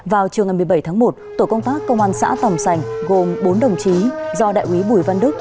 vào chiều ngày một mươi bảy tháng một tổ công tác công an xã tồng sành gồm bốn đồng chí do đại quý bùi văn đức